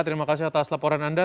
terima kasih atas laporan anda